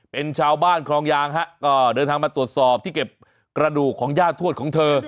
เป็นชาวบ้านคลองยางฮะก็เดินทางมาตรวจสอบที่เก็บกระดูกของย่าทวดของเธอ